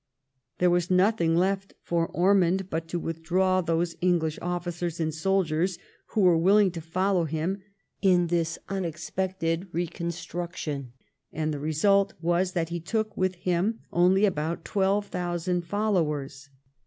There was nothing left for Ormond but to withdraw those English officers and soldiers who were willing to follow him in this unexpected reconstruction, and the result was that he took with him only about 12,000 followers.